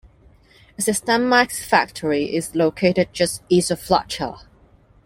A Systemax factory is located just east of Fletcher.